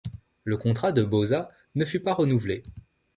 Le contrat de Bauza ne fut pas renouvelé.